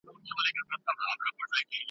موږ ته ډک کندو له شاتو مالامال وي `